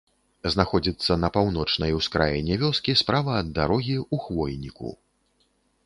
Знаходзіцца на паўночнай ускраіне вёскі, справа ад дарогі, у хвойніку.